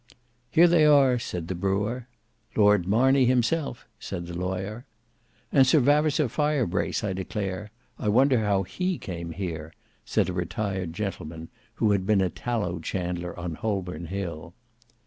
"Here they are!" said the brewer. "Lord Marney himself," said the lawyer. "And Sir Vavasour Firebrace, I declare. I wonder how he came here," said a retired gentleman, who had been a tallow chandler on Holborn Hill.